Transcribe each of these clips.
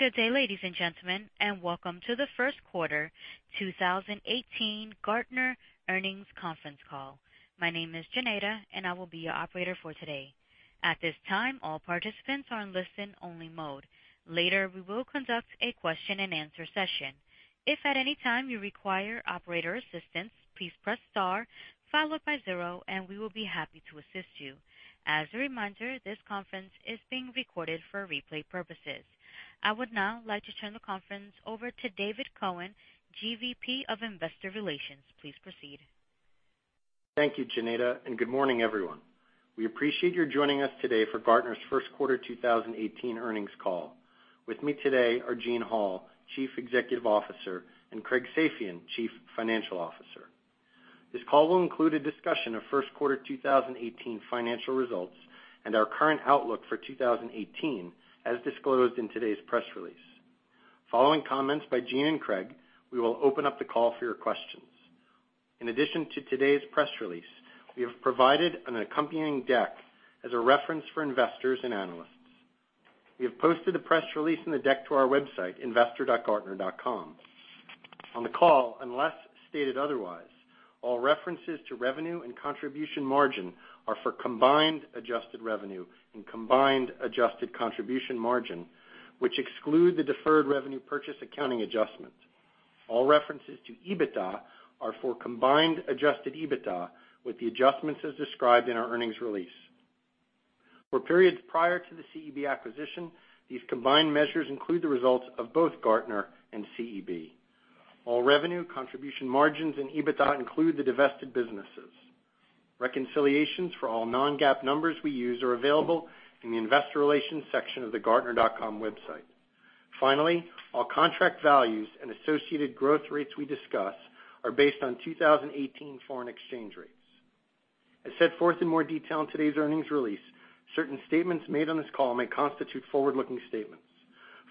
Good day, ladies and gentlemen, and welcome to the first quarter 2018 Gartner earnings conference call. My name is Janeda, and I will be your operator for today. At this time, all participants are in listen-only mode. Later, we will conduct a question and answer session. If at any time you require operator assistance, please press star followed by zero, and we will be happy to assist you. As a reminder, this conference is being recorded for replay purposes. I would now like to turn the conference over to David Cohen, GVP of Investor Relations. Please proceed. Thank you, Janeda, and good morning, everyone. We appreciate you joining us today for Gartner's first quarter 2018 earnings call. With me today are Gene Hall, Chief Executive Officer, and Craig Safian, Chief Financial Officer. This call will include a discussion of first quarter 2018 financial results and our current outlook for 2018, as disclosed in today's press release. Following comments by Gene and Craig, we will open up the call for your questions. In addition to today's press release, we have provided an accompanying deck as a reference for investors and analysts. We have posted the press release and the deck to our website, investor.gartner.com. On the call, unless stated otherwise, all references to revenue and contribution margin are for combined adjusted revenue and combined adjusted contribution margin, which exclude the deferred revenue purchase accounting adjustment. All references to EBITDA are for combined adjusted EBITDA with the adjustments as described in our earnings release. For periods prior to the CEB acquisition, these combined measures include the results of both Gartner and CEB. All revenue, contribution margins, and EBITDA include the divested businesses. Reconciliations for all non-GAAP numbers we use are available in the investor relations section of the gartner.com website. Finally, all contract values and associated growth rates we discuss are based on 2018 foreign exchange rates. As set forth in more detail in today's earnings release, certain statements made on this call may constitute forward-looking statements.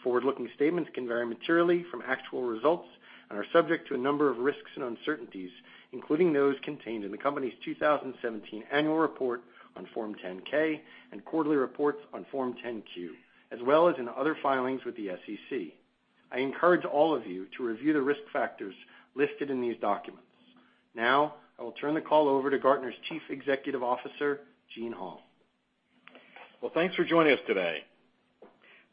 Forward-looking statements can vary materially from actual results and are subject to a number of risks and uncertainties, including those contained in the company's 2017 annual report on Form 10-K and quarterly reports on Form 10-Q, as well as in other filings with the SEC. I encourage all of you to review the risk factors listed in these documents. Now, I will turn the call over to Gartner's Chief Executive Officer, Gene Hall. Well, thanks for joining us today.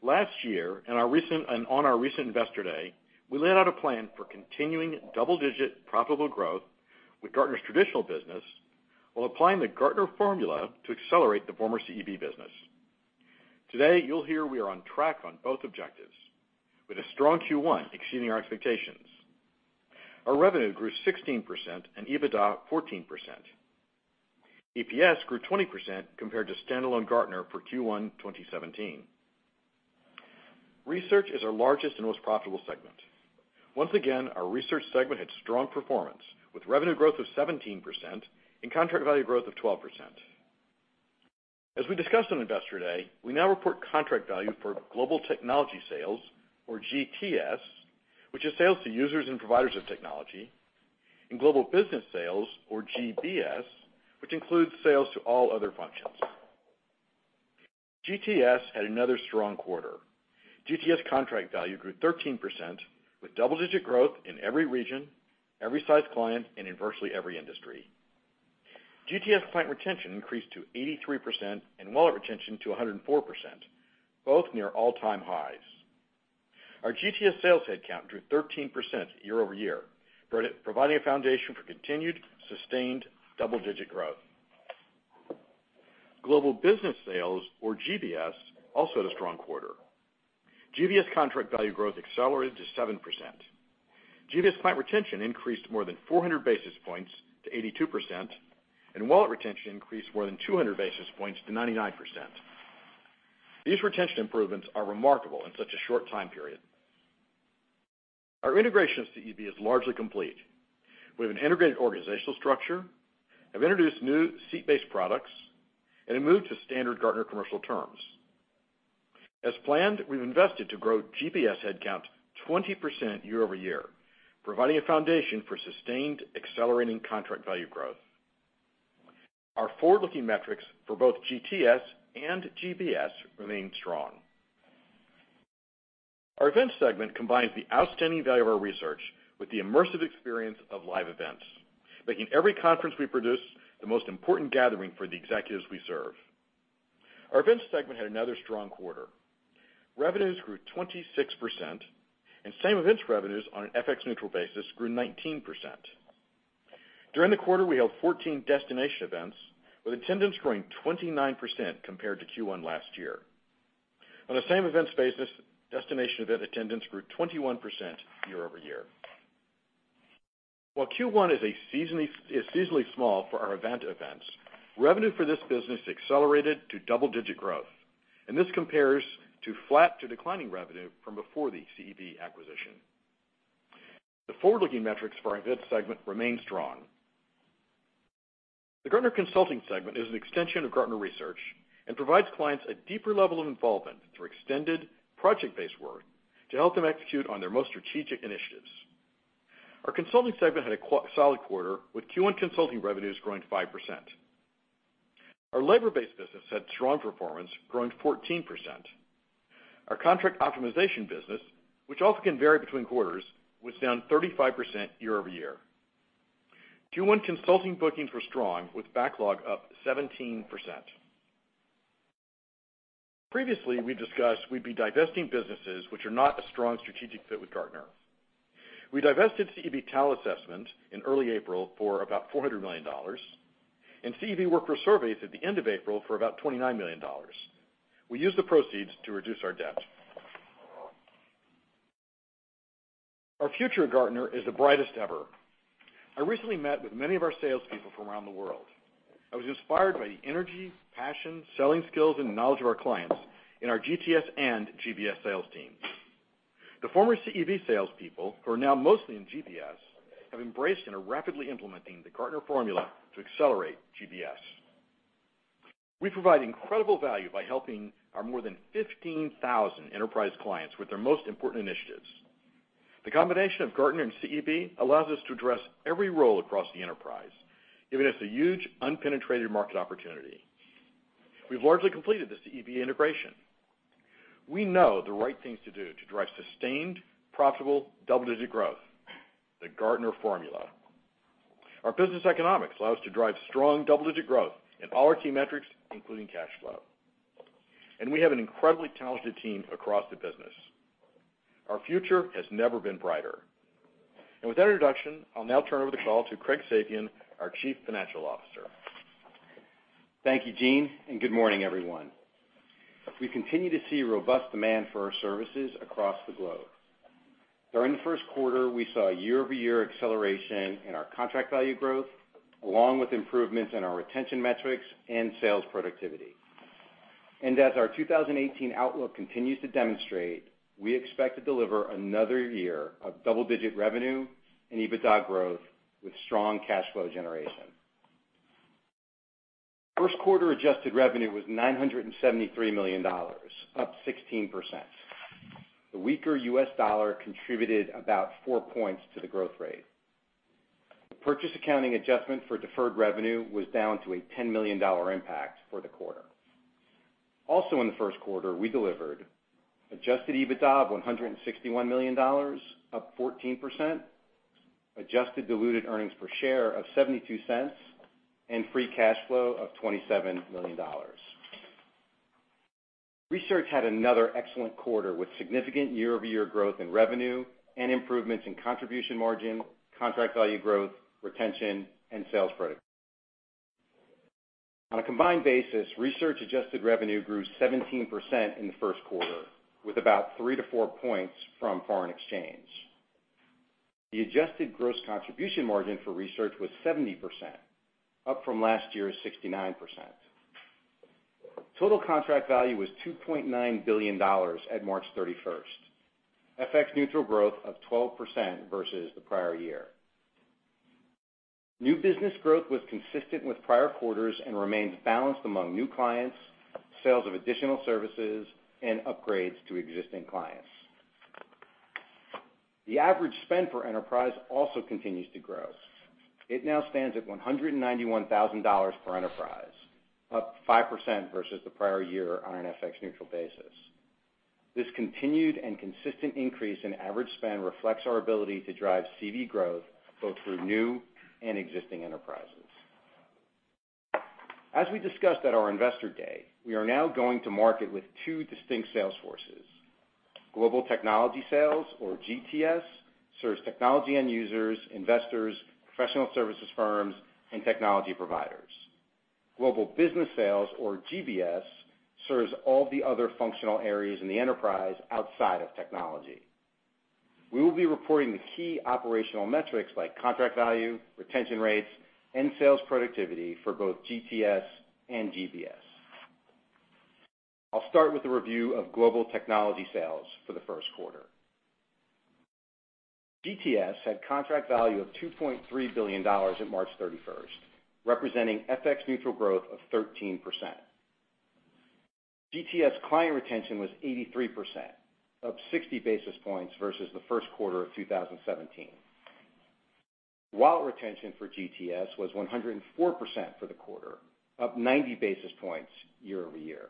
Last year, and on our recent Investor Day, we laid out a plan for continuing double-digit profitable growth with Gartner's traditional business while applying the Gartner formula to accelerate the former CEB business. Today, you'll hear we are on track on both objectives, with a strong Q1 exceeding our expectations. Our revenue grew 16% and EBITDA 14%. EPS grew 20% compared to standalone Gartner for Q1 2017. Research is our largest and most profitable segment. Once again, our research segment had strong performance, with revenue growth of 17% and contract value growth of 12%. As we discussed on Investor Day, we now report contract value for global technology sales, or GTS, which is sales to users and providers of technology, and global business sales, or GBS, which includes sales to all other functions. GTS had another strong quarter. GTS contract value grew 13%, with double-digit growth in every region, every size client, and in virtually every industry. GTS client retention increased to 83%, and wallet retention to 104%, both near all-time highs. Our GTS sales headcount grew 13% year-over-year, providing a foundation for continued, sustained double-digit growth. Global business sales, or GBS, also had a strong quarter. GBS contract value growth accelerated to 7%. GBS client retention increased more than 400 basis points to 82%, and wallet retention increased more than 200 basis points to 99%. These retention improvements are remarkable in such a short time period. Our integration of CEB is largely complete. We have an integrated organizational structure, have introduced new seat-based products, and have moved to standard Gartner commercial terms. As planned, we've invested to grow GBS headcount 20% year-over-year, providing a foundation for sustained, accelerating contract value growth. Our forward-looking metrics for both GTS and GBS remain strong. Our events segment combines the outstanding value of our research with the immersive experience of live events, making every conference we produce the most important gathering for the executives we serve. Our events segment had another strong quarter. Revenues grew 26%, and same events revenues on an FX neutral basis grew 19%. During the quarter, we held 14 destination events, with attendance growing 29% compared to Q1 last year. On a same events basis, destination event attendance grew 21% year-over-year. While Q1 is seasonally small for our event events, revenue for this business accelerated to double-digit growth, and this compares to flat to declining revenue from before the CEB acquisition. The forward-looking metrics for our events segment remain strong. The Gartner consulting segment is an extension of Gartner research and provides clients a deeper level of involvement through extended project-based work to help them execute on their most strategic initiatives. Our consulting segment had a solid quarter, with Q1 consulting revenues growing 5%. Our labor-based business had strong performance, growing 14%. Our contract optimization business, which also can vary between quarters, was down 35% year-over-year. Q1 consulting bookings were strong, with backlog up 17%. Previously, we discussed we'd be divesting businesses which are not a strong strategic fit with Gartner. We divested CEB Talent Assessment in early April for about $400 million and CEB Workforce Surveys at the end of April for about $29 million. We used the proceeds to reduce our debt. Our future at Gartner is the brightest ever. I recently met with many of our salespeople from around the world. I was inspired by the energy, passion, selling skills, and knowledge of our clients in our GTS and GBS sales teams. The former CEB salespeople, who are now mostly in GBS, have embraced and are rapidly implementing the Gartner formula to accelerate GBS. We provide incredible value by helping our more than 15,000 enterprise clients with their most important initiatives. The combination of Gartner and CEB allows us to address every role across the enterprise, giving us a huge unpenetrated market opportunity. We've largely completed the CEB integration. We know the right things to do to drive sustained, profitable, double-digit growth, the Gartner formula. Our business economics allow us to drive strong double-digit growth in all our key metrics, including cash flow. We have an incredibly talented team across the business. Our future has never been brighter. With that introduction, I'll now turn over the call to Craig Safian, our chief financial officer. Thank you, Gene, and good morning, everyone. We continue to see robust demand for our services across the globe. During the first quarter, we saw year-over-year acceleration in our contract value growth, along with improvements in our retention metrics and sales productivity. As our 2018 outlook continues to demonstrate, we expect to deliver another year of double-digit revenue and EBITDA growth, with strong cash flow generation. First quarter adjusted revenue was $973 million, up 16%. The weaker U.S. dollar contributed about four points to the growth rate. The purchase accounting adjustment for deferred revenue was down to a $10 million impact for the quarter. Also in the first quarter, we delivered adjusted EBITDA of $161 million, up 14%, adjusted diluted earnings per share of $0.72, and free cash flow of $27 million. Research had another excellent quarter, with significant year-over-year growth in revenue and improvements in contribution margin, contract value growth, retention, and sales productivity. On a combined basis, research adjusted revenue grew 17% in the first quarter, with about three to four points from foreign exchange. The adjusted gross contribution margin for research was 70%, up from last year's 69%. Total contract value was $2.9 billion at March 31st, FX neutral growth of 12% versus the prior year. New business growth was consistent with prior quarters and remains balanced among new clients, sales of additional services, and upgrades to existing clients. The average spend per enterprise also continues to grow. It now stands at $191,000 per enterprise, up 5% versus the prior year on an FX neutral basis. This continued and consistent increase in average spend reflects our ability to drive CV growth both through new and existing enterprises. As we discussed at our Investor Day, we are now going to market with two distinct sales forces. Global Technology Sales, or GTS, serves technology end users, investors, professional services firms, and technology providers. Global Business Sales, or GBS, serves all the other functional areas in the enterprise outside of technology. We will be reporting the key operational metrics like contract value, retention rates, and sales productivity for both GTS and GBS. I'll start with a review of Global Technology Sales for the first quarter. GTS had contract value of $2.3 billion at March 31st, representing FX neutral growth of 13%. GTS client retention was 83%, up 60 basis points versus the first quarter of 2017. Wallet retention for GTS was 104% for the quarter, up 90 basis points year-over-year.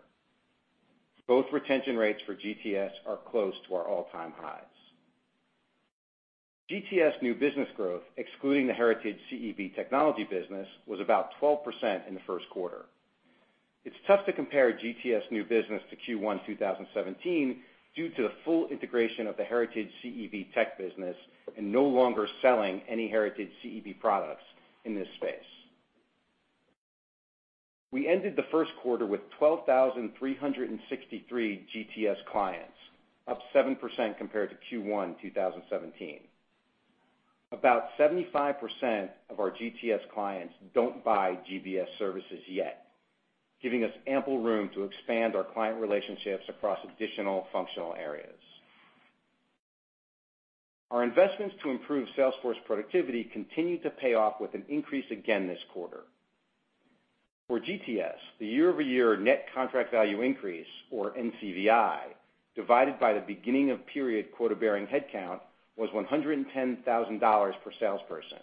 Both retention rates for GTS are close to our all-time highs. GTS new business growth, excluding the heritage CEB technology business, was about 12% in the first quarter. It's tough to compare GTS new business to Q1 2017 due to the full integration of the heritage CEB tech business and no longer selling any heritage CEB products in this space. We ended the first quarter with 12,363 GTS clients, up 7% compared to Q1 2017. About 75% of our GTS clients don't buy GBS services yet, giving us ample room to expand our client relationships across additional functional areas. Our investments to improve sales force productivity continued to pay off with an increase again this quarter. For GTS, the year-over-year net contract value increase, or NCVI Divided by the beginning of period quota-bearing headcount was $110,000 per salesperson,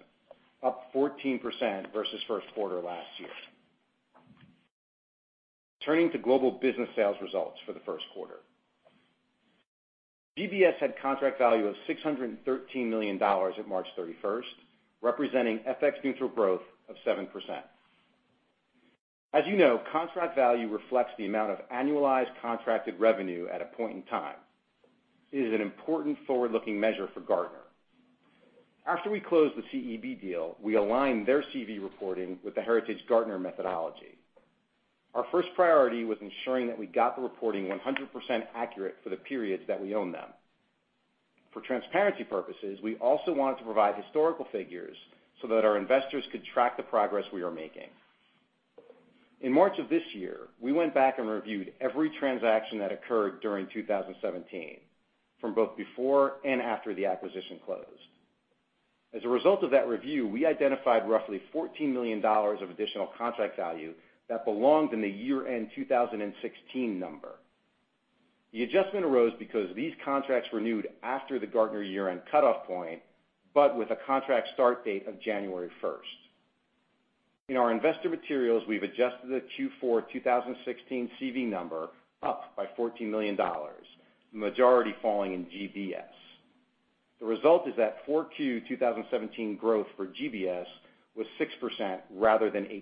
up 14% versus first quarter last year. Turning to Global Business Sales results for the first quarter. GBS had contract value of $613 million at March 31st, representing FX neutral growth of 7%. As you know, contract value reflects the amount of annualized contracted revenue at a point in time. It is an important forward-looking measure for Gartner. After we closed the CEB deal, we aligned their CV reporting with the heritage Gartner methodology. Our first priority was ensuring that we got the reporting 100% accurate for the periods that we own them. For transparency purposes, we also wanted to provide historical figures so that our investors could track the progress we are making. In March of this year, we went back and reviewed every transaction that occurred during 2017, from both before and after the acquisition closed. As a result of that review, we identified roughly $14 million of additional contract value that belonged in the year-end 2016 number. The adjustment arose because these contracts renewed after the Gartner year-end cutoff point, but with a contract start date of January 1st. In our investor materials, we've adjusted the Q4 2016 CV number up by $14 million, the majority falling in GBS. The result is that Q4 2017 growth for GBS was 6% rather than 8%.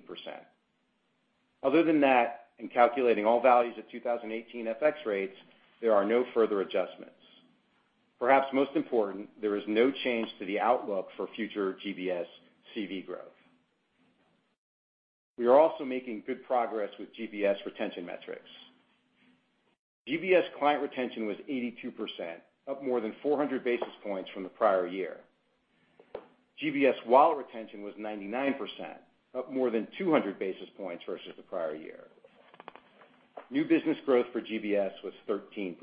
Other than that, in calculating all values at 2018 FX rates, there are no further adjustments. Perhaps most important, there is no change to the outlook for future GBS CV growth. We are also making good progress with GBS retention metrics. GBS client retention was 82%, up more than 400 basis points from the prior year. GBS wallet retention was 99%, up more than 200 basis points versus the prior year. New business growth for GBS was 13%.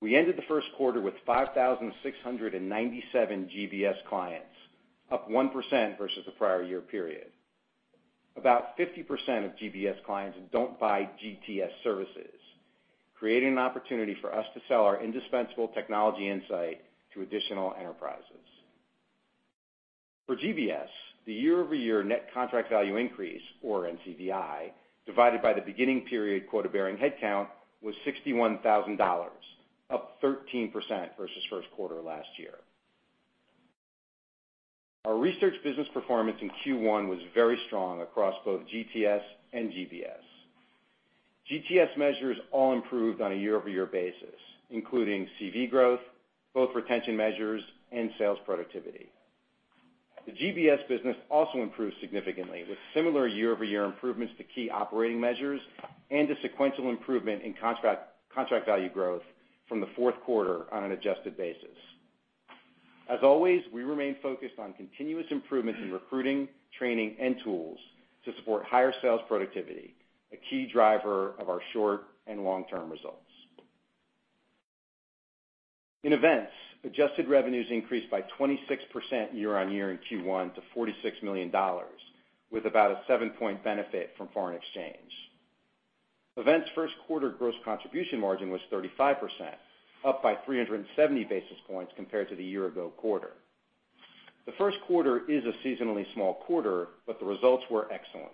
We ended the first quarter with 5,697 GBS clients, up 1% versus the prior year period. About 50% of GBS clients don't buy GTS services, creating an opportunity for us to sell our indispensable technology insight to additional enterprises. For GBS, the year-over-year net contract value increase, or NCVI, divided by the beginning period quota-bearing headcount was $61,000, up 13% versus first quarter last year. Our research business performance in Q1 was very strong across both GTS and GBS. GTS measures all improved on a year-over-year basis, including CV growth, both retention measures, and sales productivity. The GBS business also improved significantly with similar year-over-year improvements to key operating measures and a sequential improvement in contract value growth from the fourth quarter on an adjusted basis. As always, we remain focused on continuous improvement in recruiting, training, and tools to support higher sales productivity, a key driver of our short and long-term results. In events, adjusted revenues increased by 26% year-on-year in Q1 to $46 million, with about a seven-point benefit from foreign exchange. Events first quarter gross contribution margin was 35%, up by 370 basis points compared to the year-ago quarter. The first quarter is a seasonally small quarter, but the results were excellent.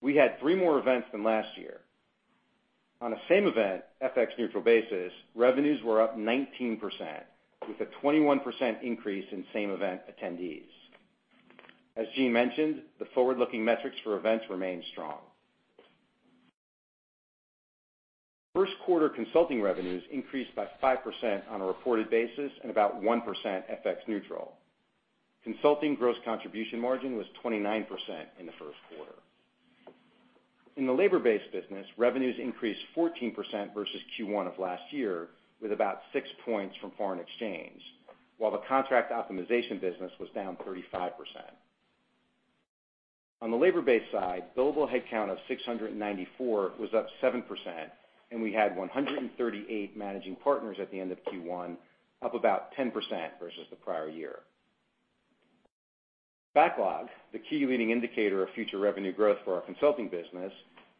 We had three more events than last year. On a same event, FX neutral basis, revenues were up 19%, with a 21% increase in same event attendees. As Gene mentioned, the forward-looking metrics for events remain strong. First quarter consulting revenues increased by 5% on a reported basis and about 1% FX neutral. Consulting gross contribution margin was 29% in the first quarter. In the labor-based business, revenues increased 14% versus Q1 of last year, with about six points from foreign exchange, while the contract optimization business was down 35%. On the labor-based side, billable headcount of 694 was up 7%, and we had 138 managing partners at the end of Q1, up about 10% versus the prior year. Backlog, the key leading indicator of future revenue growth for our consulting business,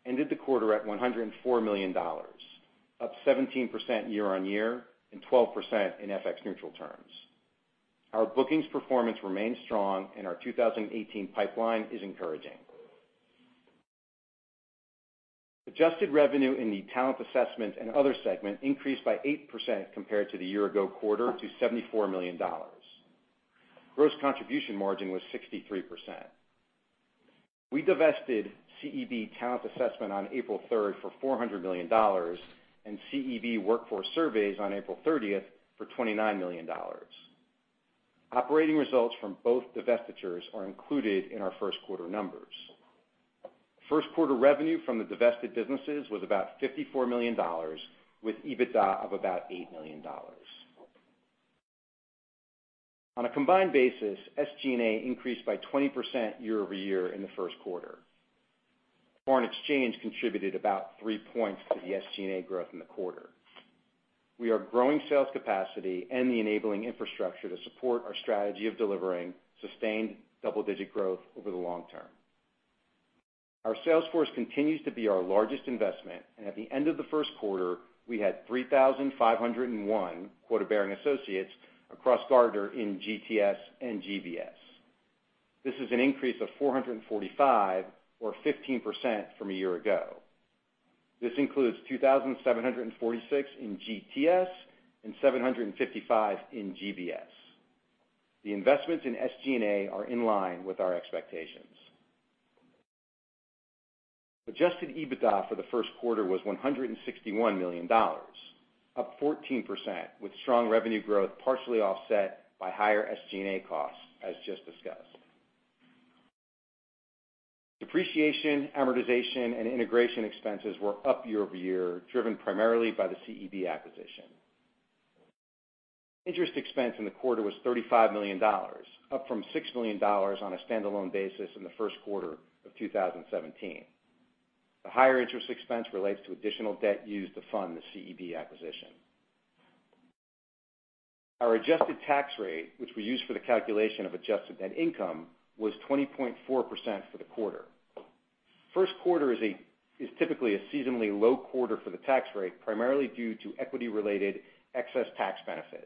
ended the quarter at $104 million, up 17% year-on-year and 12% in FX neutral terms. Our bookings performance remains strong and our 2018 pipeline is encouraging. Adjusted revenue in the talent assessment and other segment increased by 8% compared to the year-ago quarter to $74 million. Gross contribution margin was 63%. We divested CEB Talent Assessment on April 3rd for $400 million and CEB Workforce Surveys on April 30th for $29 million. Operating results from both divestitures are included in our first quarter numbers. First quarter revenue from the divested businesses was about $54 million, with EBITDA of about $8 million. On a combined basis, SG&A increased by 20% year-over-year in the first quarter. Foreign exchange contributed about three points to the SG&A growth in the quarter. We are growing sales capacity and the enabling infrastructure to support our strategy of delivering sustained double-digit growth over the long term. Our sales force continues to be our largest investment, and at the end of the first quarter, we had 3,501 quota-bearing associates across Gartner in GTS and GBS. This is an increase of 445 or 15% from a year ago. This includes 2,746 in GTS and 755 in GBS. The investments in SG&A are in line with our expectations. Adjusted EBITDA for the first quarter was $161 million, up 14%, with strong revenue growth partially offset by higher SG&A costs, as just discussed. Depreciation, amortization, and integration expenses were up year-over-year, driven primarily by the CEB acquisition. Interest expense in the quarter was $35 million, up from $6 million on a standalone basis in the first quarter of 2017. The higher interest expense relates to additional debt used to fund the CEB acquisition. Our adjusted tax rate, which we use for the calculation of adjusted net income, was 20.4% for the quarter. First quarter is typically a seasonally low quarter for the tax rate, primarily due to equity-related excess tax benefits.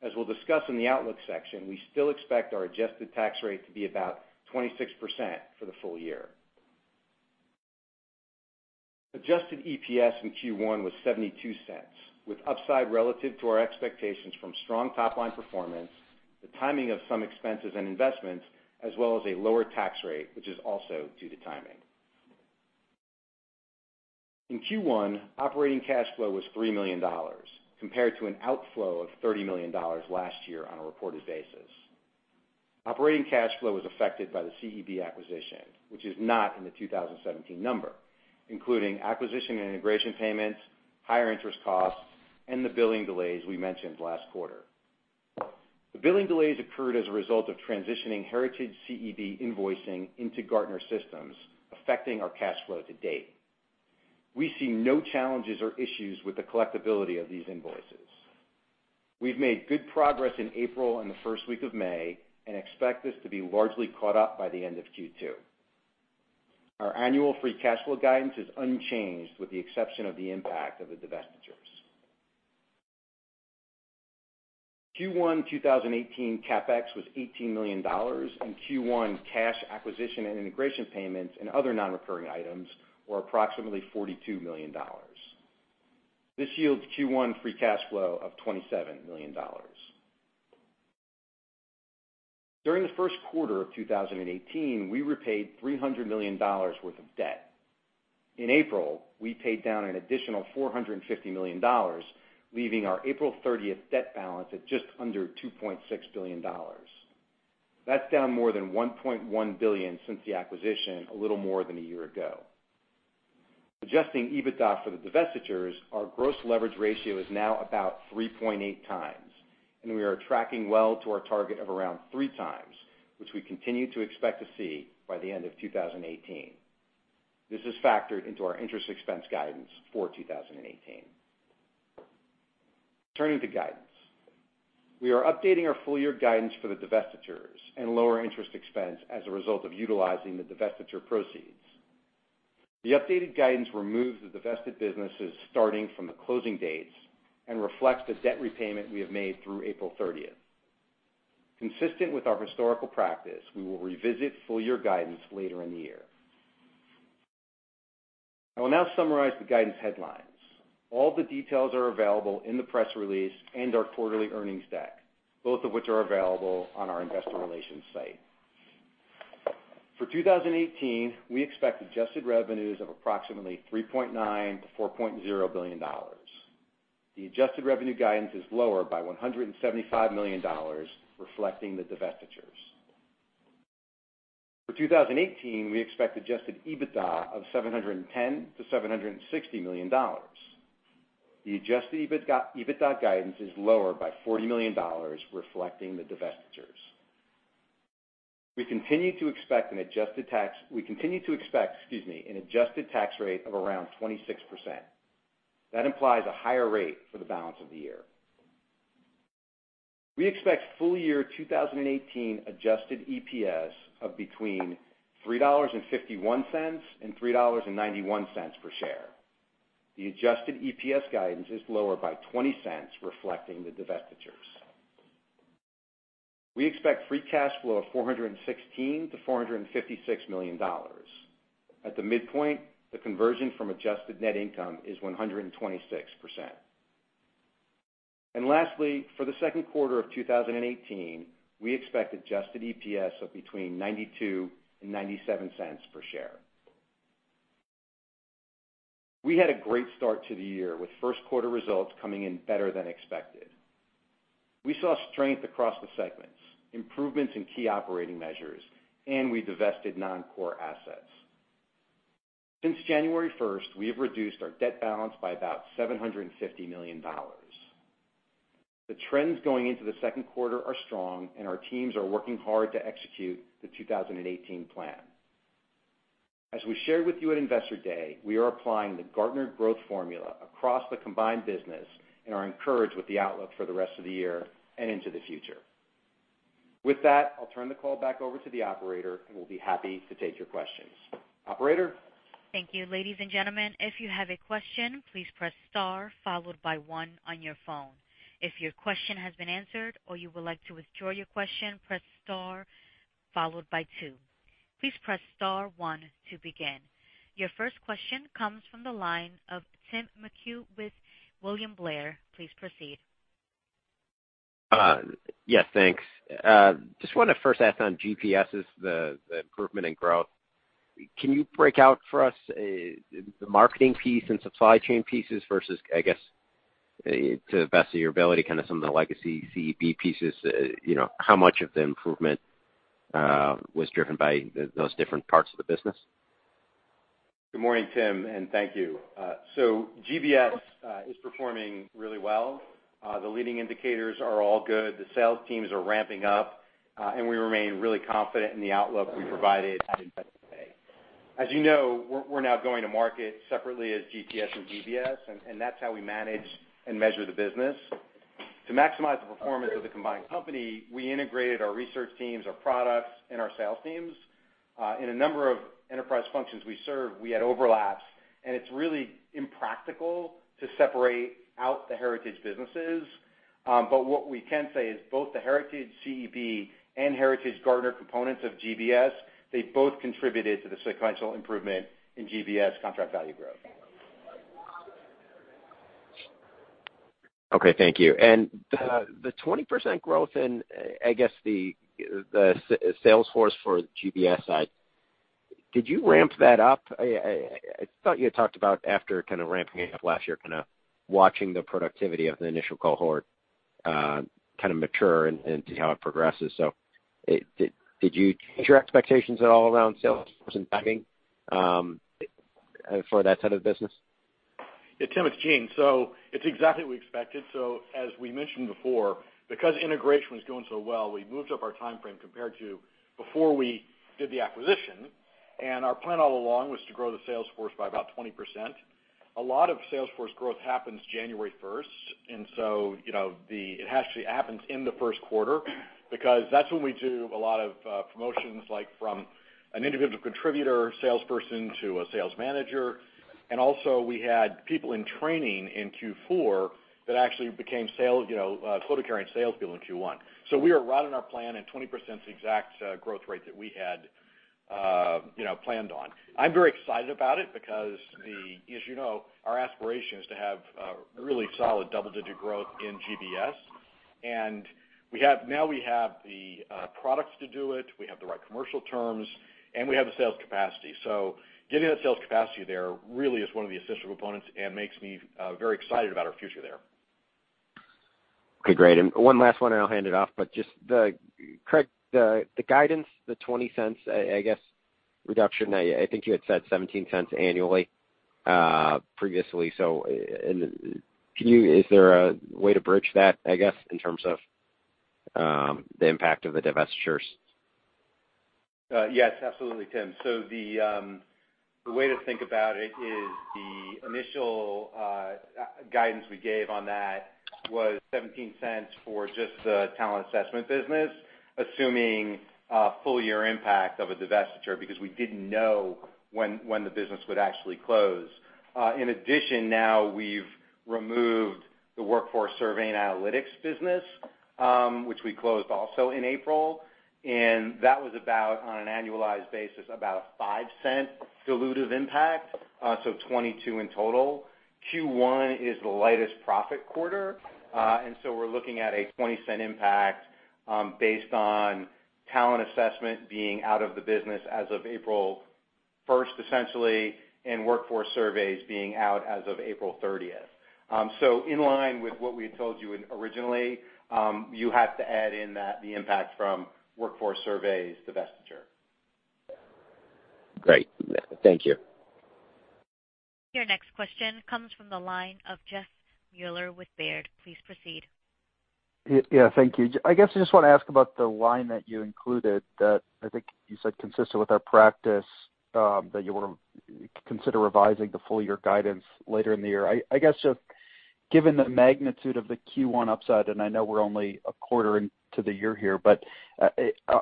As we'll discuss in the outlook section, we still expect our adjusted tax rate to be about 26% for the full year. Adjusted EPS in Q1 was $0.72, with upside relative to our expectations from strong top-line performance, the timing of some expenses and investments, as well as a lower tax rate, which is also due to timing. In Q1, operating cash flow was $3 million, compared to an outflow of $30 million last year on a reported basis. Operating cash flow was affected by the CEB acquisition, which is not in the 2017 number, including acquisition and integration payments, higher interest costs, and the billing delays we mentioned last quarter. The billing delays occurred as a result of transitioning heritage CEB invoicing into Gartner systems, affecting our cash flow to date. We see no challenges or issues with the collectibility of these invoices. We've made good progress in April and the first week of May and expect this to be largely caught up by the end of Q2. Our annual free cash flow guidance is unchanged, with the exception of the impact of the divestitures. Q1 2018 CapEx was $18 million, and Q1 cash acquisition and integration payments and other non-recurring items were approximately $42 million. This yields Q1 free cash flow of $27 million. During the first quarter of 2018, we repaid $300 million worth of debt. In April, we paid down an additional $450 million, leaving our April 30th debt balance at just under $2.6 billion. That's down more than $1.1 billion since the acquisition a little more than a year ago. Adjusting EBITDA for the divestitures, our gross leverage ratio is now about 3.8 times, and we are tracking well to our target of around 3 times, which we continue to expect to see by the end of 2018. This is factored into our interest expense guidance for 2018. Turning to guidance. We are updating our full-year guidance for the divestitures and lower interest expense as a result of utilizing the divestiture proceeds. The updated guidance removes the divested businesses starting from the closing dates and reflects the debt repayment we have made through April 30th. Consistent with our historical practice, we will revisit full-year guidance later in the year. I will now summarize the guidance headlines. All the details are available in the press release and our quarterly earnings deck, both of which are available on our investor relations site. For 2018, we expect adjusted revenues of approximately $3.9 billion to $4.0 billion. The adjusted revenue guidance is lower by $175 million, reflecting the divestitures. For 2018, we expect adjusted EBITDA of $710 million to $760 million. The adjusted EBITDA guidance is lower by $40 million, reflecting the divestitures. We continue to expect an adjusted tax rate of around 26%. That implies a higher rate for the balance of the year. We expect full-year 2018 adjusted EPS of between $3.51 and $3.91 per share. The adjusted EPS guidance is lower by $0.20, reflecting the divestitures. We expect free cash flow of $416 million-$456 million. At the midpoint, the conversion from adjusted net income is 126%. Lastly, for the second quarter of 2018, we expect adjusted EPS of between $0.92 and $0.97 per share. We had a great start to the year, with first quarter results coming in better than expected. We saw strength across the segments, improvements in key operating measures. We divested non-core assets. Since January 1st, we have reduced our debt balance by about $750 million. The trends going into the second quarter are strong. Our teams are working hard to execute the 2018 plan. As we shared with you at Investor Day, we are applying the Gartner growth formula across the combined business. Are encouraged with the outlook for the rest of the year and into the future. With that, I'll turn the call back over to the operator, who will be happy to take your questions. Operator? Thank you, ladies and gentlemen. If you have a question, please press star followed by 1 on your phone. If your question has been answered or you would like to withdraw your question, press star followed by 2. Please press star 1 to begin. Your first question comes from the line of Tim McHugh with William Blair. Please proceed. Yes, thanks. Just want to first ask on GBS, the improvement in growth. Can you break out for us the marketing piece and supply chain pieces versus, I guess, to the best of your ability, kind of some of the legacy CEB pieces, how much of the improvement was driven by those different parts of the business? Good morning, Tim, and thank you. GBS is performing really well. The leading indicators are all good. The sales teams are ramping up, and we remain really confident in the outlook we provided at Investor Day. As you know, we're now going to market separately as GTS and GBS, and that's how we manage and measure the business. To maximize the performance of the combined company, we integrated our research teams, our products, and our sales teams. In a number of enterprise functions we serve, we had overlaps, and it's really impractical to separate out the heritage businesses. What we can say is both the heritage CEB and heritage Gartner components of GBS, they both contributed to the sequential improvement in GBS contract value growth. Okay, thank you. The 20% growth in, I guess the sales force for GBS side, did you ramp that up? I thought you had talked about after kind of ramping it up last year, kind of watching the productivity of the initial cohort kind of mature and see how it progresses. Did you change your expectations at all around sales force and staffing for that side of the business? Yeah, Tim, it's Gene. It's exactly what we expected. As we mentioned before, because integration was going so well, we moved up our timeframe compared to before we did the acquisition. Our plan all along was to grow the sales force by about 20%. A lot of sales force growth happens January 1st, it has to happen in the first quarter because that's when we do a lot of promotions, like from an individual contributor salesperson to a sales manager. We had people in training in Q4 that actually became quota-carrying sales people in Q1. We are right on our plan, and 20% is the exact growth rate that we had planned on. I'm very excited about it because as you know, our aspiration is to have a really solid double-digit growth in GBS. Now we have the products to do it, we have the right commercial terms, and we have the sales capacity. Getting that sales capacity there really is one of the essential components and makes me very excited about our future there. Okay, great. One last one, I'll hand it off. Just, Craig, the guidance, the $0.20, I guess, reduction, I think you had said $0.17 annually previously. Is there a way to bridge that, I guess, in terms of the impact of the divestitures? Yes, absolutely, Tim. The way to think about it is the initial guidance we gave on that was $0.17 for just the talent assessment business, assuming a full-year impact of a divestiture, because we didn't know when the business would actually close. In addition, now we've removed the workforce survey and analytics business, which we closed also in April, and that was about, on an annualized basis, about a $0.05 dilutive impact, $0.22 in total. Q1 is the lightest profit quarter, we're looking at a $0.20 impact based on talent assessment being out of the business as of April 1st, essentially, and workforce surveys being out as of April 30th. In line with what we had told you originally, you have to add in the impact from workforce surveys divestiture. Great. Thank you. Your next question comes from the line of Jeffrey Meuler with Baird. Please proceed. Thank you. I guess I just want to ask about the line that you included that I think you said consistent with our practice, that you want to consider revising the full-year guidance later in the year. I guess given the magnitude of the Q1 upside, and I know we're only a quarter into the year here, but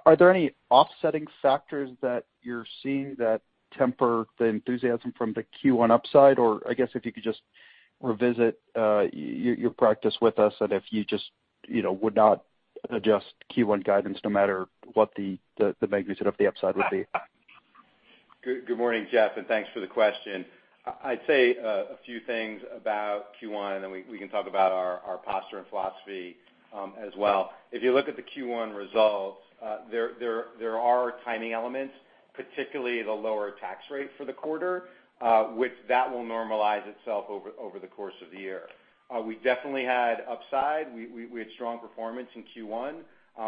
are there any offsetting factors that you're seeing that temper the enthusiasm from the Q1 upside? I guess, if you could just revisit your practice with us and if you just would not adjust Q1 guidance no matter what the magnitude of the upside would be. Good morning, Jeff, and thanks for the question. I'd say a few things about Q1, and then we can talk about our posture and philosophy as well. If you look at the Q1 results, there are timing elements particularly the lower tax rate for the quarter, which that will normalize itself over the course of the year. We definitely had upside. We had strong performance in Q1,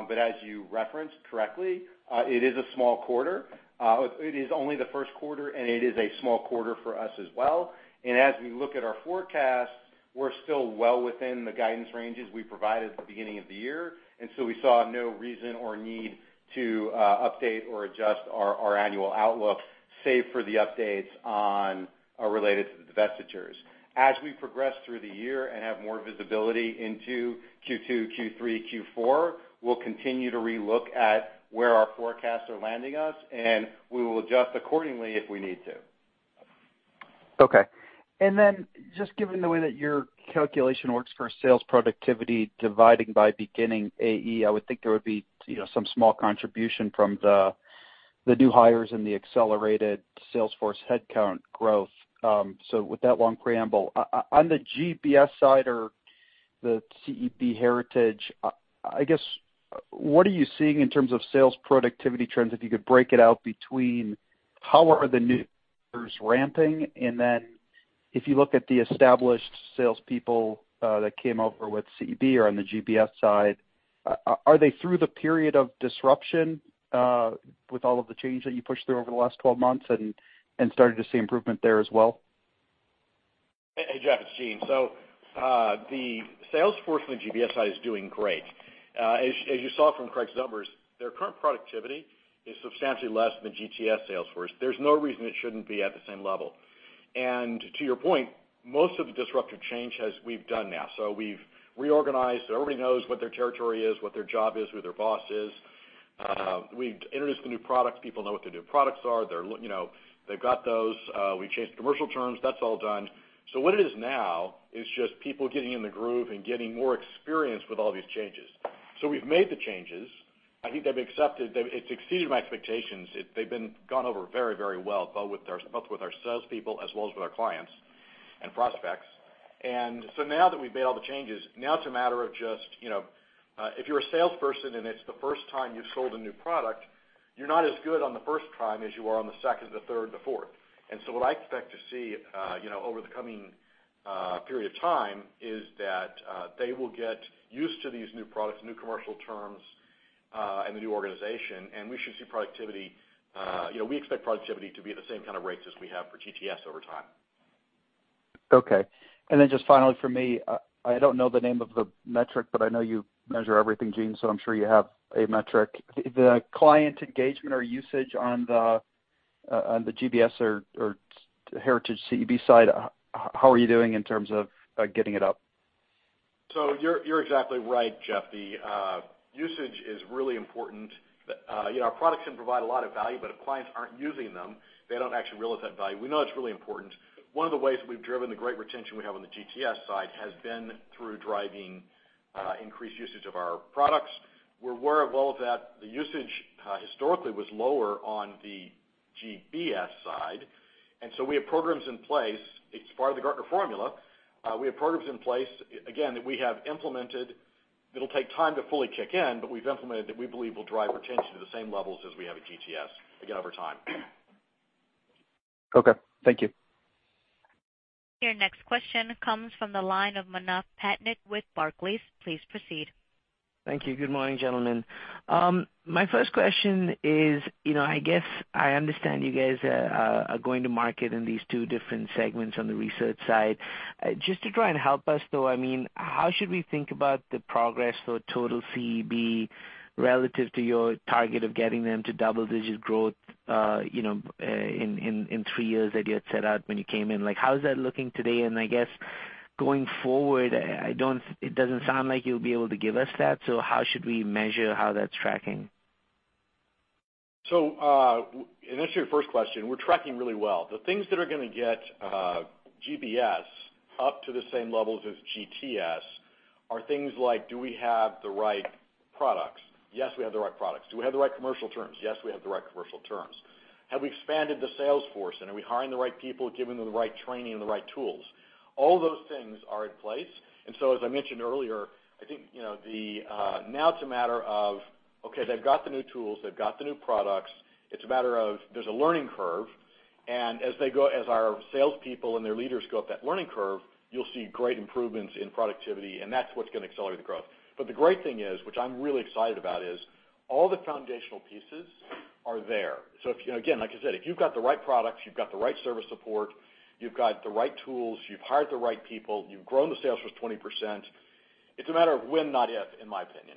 but as you referenced correctly, it is a small quarter. It is only the first quarter, and it is a small quarter for us as well. As we look at our forecast, we're still well within the guidance ranges we provided at the beginning of the year, we saw no reason or need to update or adjust our annual outlook, save for the updates related to the divestitures. As we progress through the year and have more visibility into Q2, Q3, Q4, we'll continue to relook at where our forecasts are landing us, and we will adjust accordingly if we need to. Okay. Just given the way that your calculation works for sales productivity dividing by beginning AE, I would think there would be some small contribution from the new hires and the accelerated sales force headcount growth. With that long preamble, on the GBS side or the CEB heritage, what are you seeing in terms of sales productivity trends? If you could break it out between how are the new hires ramping, and then if you look at the established salespeople that came over with CEB or on the GBS side, are they through the period of disruption with all of the change that you pushed through over the last 12 months and starting to see improvement there as well? Hey, Jeff, it's Gene. The sales force on the GBS side is doing great. As you saw from Craig's numbers, their current productivity is substantially less than GTS sales force. There's no reason it shouldn't be at the same level. To your point, most of the disruptive change we've done now. We've reorganized. Everybody knows what their territory is, what their job is, who their boss is. We introduced the new products. People know what the new products are. They've got those. We changed the commercial terms. That's all done. What it is now is just people getting in the groove and getting more experience with all these changes. We've made the changes. I think they've accepted. It's exceeded my expectations. They've been gone over very, very well, both with our salespeople as well as with our clients and prospects. Now that we've made all the changes, now it's a matter of just if you're a salesperson and it's the first time you've sold a new product, you're not as good on the first time as you are on the second, the third, the fourth. What I expect to see over the coming period of time is that they will get used to these new products, new commercial terms, and the new organization, and we should see productivity. We expect productivity to be at the same kind of rates as we have for GTS over time. Okay. Just finally from me, I don't know the name of the metric, but I know you measure everything, Gene, so I'm sure you have a metric. The client engagement or usage on the GBS or heritage CEB side, how are you doing in terms of getting it up? You're exactly right, Jeff. The usage is really important. Our products can provide a lot of value, but if clients aren't using them, they don't actually realize that value. We know it's really important. One of the ways that we've driven the great retention we have on the GTS side has been through driving increased usage of our products. We're aware of all of that. The usage historically was lower on the GBS side. We have programs in place. It's part of the Gartner formula. We have programs in place, again, that we have implemented. It'll take time to fully kick in, but we've implemented that we believe will drive retention to the same levels as we have at GTS, again, over time. Okay. Thank you. Your next question comes from the line of Manav Patnaik with Barclays. Please proceed. Thank you. Good morning, gentlemen. My first question is, I understand you guys are going to market in these two different segments on the research side. Just to try and help us, though, how should we think about the progress for total CEB relative to your target of getting them to double-digit growth in three years that you had set out when you came in? How is that looking today? Going forward, it doesn't sound like you'll be able to give us that, so how should we measure how that's tracking? To answer your first question, we're tracking really well. The things that are going to get GBS up to the same levels as GTS are things like, do we have the right products? Yes, we have the right products. Do we have the right commercial terms? Yes, we have the right commercial terms. Have we expanded the sales force, and are we hiring the right people, giving them the right training and the right tools? All those things are in place. As I mentioned earlier, now it's a matter of, okay, they've got the new tools, they've got the new products. It's a matter of there's a learning curve, and as our salespeople and their leaders go up that learning curve, you'll see great improvements in productivity, and that's what's going to accelerate the growth. The great thing is, which I'm really excited about, is all the foundational pieces are there. Again, like I said, if you've got the right products, you've got the right service support, you've got the right tools, you've hired the right people, you've grown the sales force 20%, it's a matter of when, not if, in my opinion.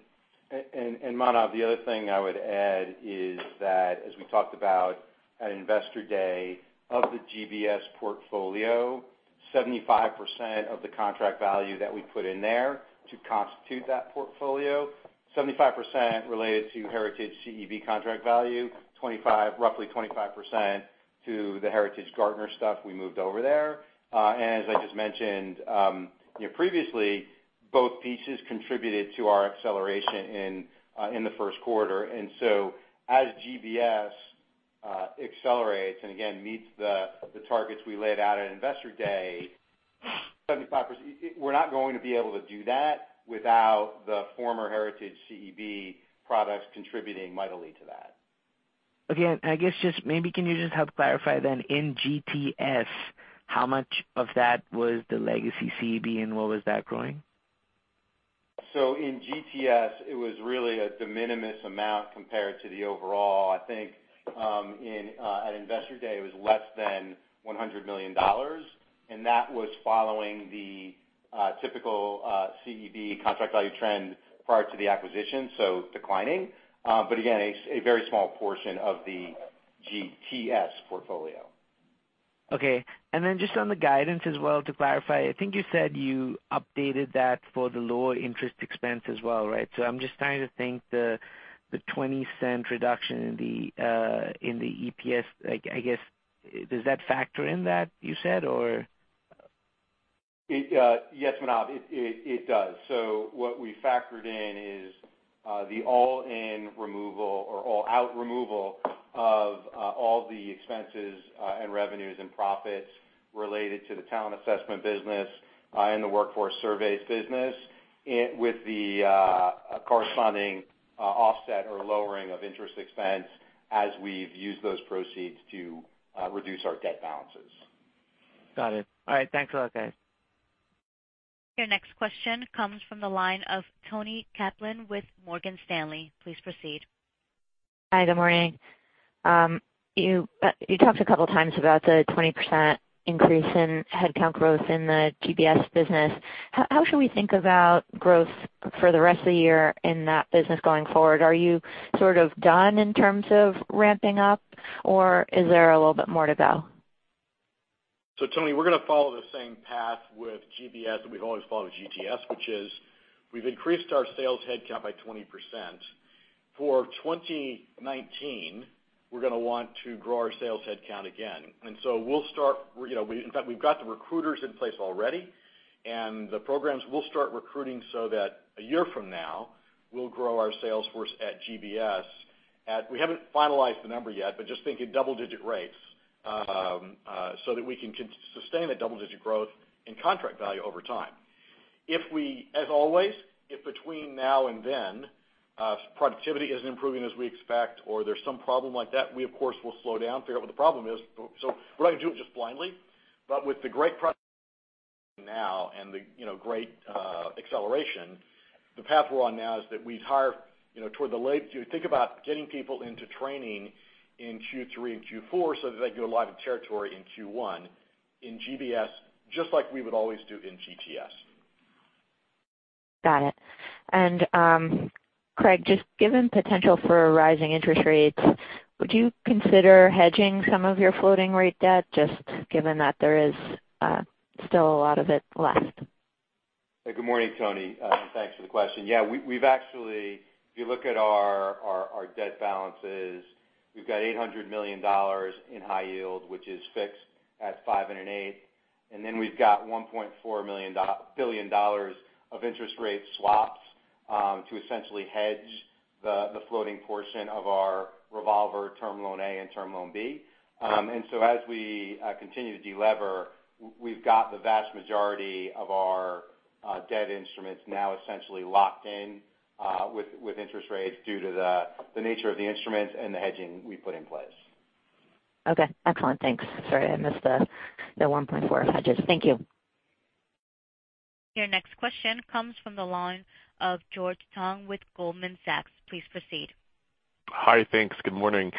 Manav, the other thing I would add is that as we talked about at Investor Day of the GBS portfolio, 75% of the contract value that we put in there to constitute that portfolio, 75% related to heritage CEB contract value, roughly 25% to the heritage Gartner stuff we moved over there. As I just mentioned previously, both pieces contributed to our acceleration in the first quarter. As GBS accelerates and again meets the targets we laid out at Investor Day 75%. We're not going to be able to do that without the former Heritage CEB products contributing mightily to that. Okay. I guess just maybe can you just help clarify then, in GTS, how much of that was the legacy CEB, and what was that growing? In GTS, it was really a de minimis amount compared to the overall. I think at Investor Day, it was less than $100 million, and that was following the typical CEB contract value trend prior to the acquisition, declining. Again, a very small portion of the GTS portfolio. Just on the guidance as well, to clarify, I think you said you updated that for the lower interest expense as well, right? I'm just trying to think the $0.20 reduction in the EPS, I guess, does that factor in that you said, or? Yes, Manav, it does. What we factored in is the all-in removal or all-out removal of all the expenses and revenues and profits related to the Talent Assessment business and the Workforce Surveys business with the corresponding offset or lowering of interest expense as we've used those proceeds to reduce our debt balances. Got it. All right. Thanks a lot, guys. Your next question comes from the line of Toni Kaplan with Morgan Stanley. Please proceed. Hi, good morning. You talked a couple times about the 20% increase in headcount growth in the GBS business. How should we think about growth for the rest of the year in that business going forward? Are you sort of done in terms of ramping up, or is there a little bit more to go? Toni, we're going to follow the same path with GBS that we've always followed with GTS, which is we've increased our sales headcount by 20%. For 2019, we're going to want to grow our sales headcount again. In fact, we've got the recruiters in place already, and the programs will start recruiting so that a year from now, we'll grow our sales force at GBS at We haven't finalized the number yet, but just think in double-digit rates, so that we can sustain a double-digit growth in contract value over time. As always, if between now and then, productivity isn't improving as we expect or there's some problem like that, we of course will slow down, figure out what the problem is. We're not going to do it just blindly. With the great progress now and the great acceleration, the path we're on now is that we'd hire toward the late Think about getting people into training in Q3 and Q4 so that they go live in territory in Q1 in GBS, just like we would always do in GTS. Got it. Craig, just given potential for rising interest rates, would you consider hedging some of your floating rate debt, just given that there is still a lot of it left? Good morning, Toni, thanks for the question. If you look at our debt balances, we've got $800 million in high yield, which is fixed at 5.125%. We've got $1.4 billion of interest rate swaps to essentially hedge the floating portion of our revolver term loan A and term loan B. As we continue to de-lever, we've got the vast majority of our debt instruments now essentially locked in with interest rates due to the nature of the instruments and the hedging we put in place. Excellent. Thanks. Sorry, I missed the 1.4 hedges. Thank you. Your next question comes from the line of George Tong with Goldman Sachs. Please proceed. Hi, thanks. Good morning.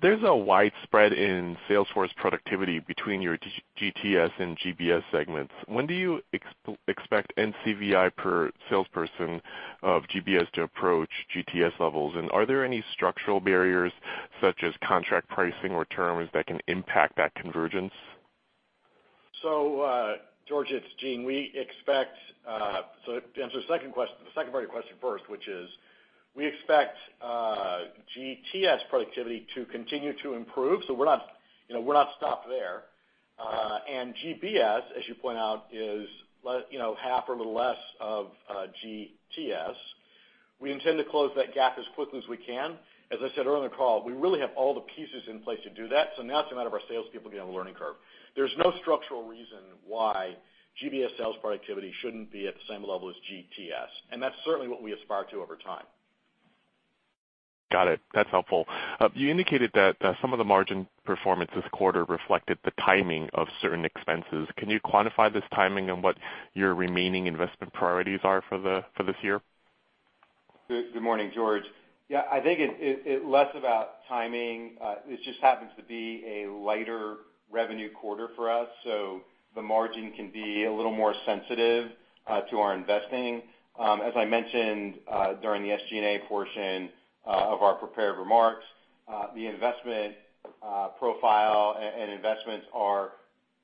There's a widespread in salesforce productivity between your GTS and GBS segments. When do you expect NCVI per salesperson of GBS to approach GTS levels? Are there any structural barriers such as contract pricing or terms that can impact that convergence? George, it's Gene. To answer the second part of your question first, which is we expect GTS productivity to continue to improve, so we're not stopped there. GBS, as you point out, is half or a little less of GTS. We intend to close that gap as quickly as we can. As I said earlier in the call, we really have all the pieces in place to do that, so now it's a matter of our salespeople getting on a learning curve. There's no structural reason why GBS sales productivity shouldn't be at the same level as GTS, and that's certainly what we aspire to over time. Got it. That's helpful. You indicated that some of the margin performance this quarter reflected the timing of certain expenses. Can you quantify this timing and what your remaining investment priorities are for this year? Good morning, George. Yeah, I think it's less about timing. This just happens to be a lighter revenue quarter for us, so the margin can be a little more sensitive to our investing. As I mentioned during the SG&A portion of our prepared remarks, the investment profile and investments are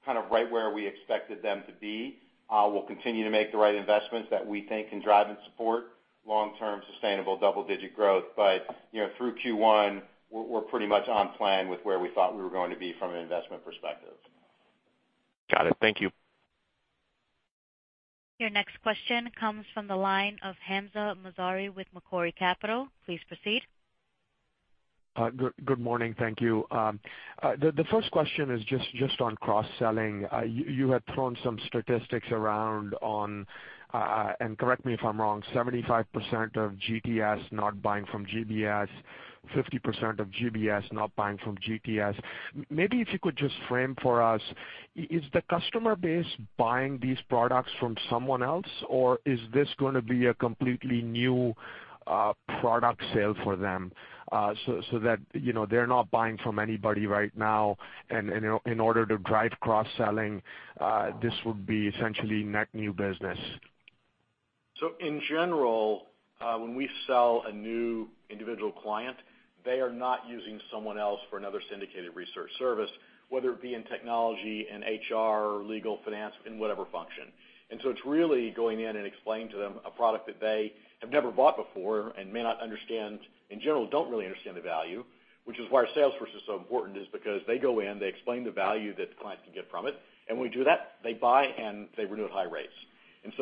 kind of right where we expected them to be. We'll continue to make the right investments that we think can drive and support long-term sustainable double-digit growth. Through Q1, we're pretty much on plan with where we thought we were going to be from an investment perspective. Got it. Thank you. Your next question comes from the line of Hamza Mazari with Macquarie Capital. Please proceed. Good morning. Thank you. The first question is just on cross-selling. You had thrown some statistics around on, and correct me if I'm wrong, 75% of GTS not buying from GBS, 50% of GBS not buying from GTS. Maybe if you could just frame for us, is the customer base buying these products from someone else, or is this going to be a completely new product sale for them, so that they're not buying from anybody right now, and in order to drive cross-selling, this would be essentially net new business? In general, when we sell a new individual client, they are not using someone else for another syndicated research service, whether it be in technology, in HR, legal, finance, in whatever function. It's really going in and explaining to them a product that they have never bought before and may not understand, in general, don't really understand the value, which is why our sales force is so important, is because they go in, they explain the value that the client can get from it, and we do that. They buy, and they renew at high rates.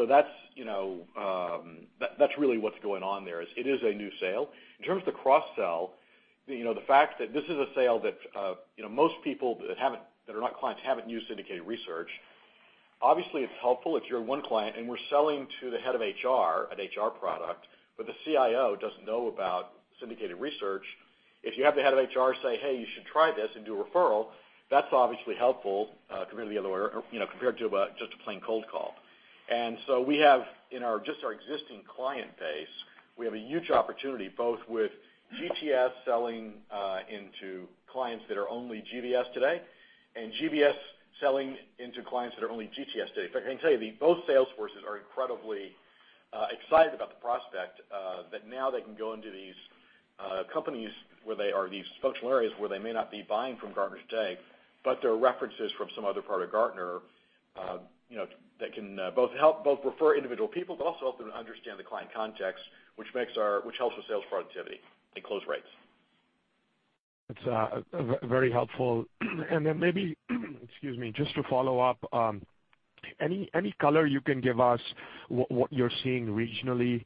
That's really what's going on there, is it is a new sale. In terms of the cross-sell, the fact that this is a sale that most people that are not clients haven't used syndicated research. Obviously, it's helpful if you're one client and we're selling to the head of HR, an HR product, but the CIO doesn't know about syndicated research. If you have the head of HR say, "Hey, you should try this," and do a referral, that's obviously helpful compared to just a plain cold call. We have in just our existing client base, we have a huge opportunity both with GTS selling into clients that are only GBS today, and GBS selling into clients that are only GTS today. In fact, I can tell you, both sales forces are incredibly excited about the prospect, that now they can go into these companies where they are these functional areas where they may not be buying from Gartner today, but there are references from some other part of Gartner, that can both help, both refer individual people, but also help them understand the client context, which helps with sales productivity and close rates. That's very helpful. Maybe, excuse me, just to follow up, any color you can give us what you're seeing regionally,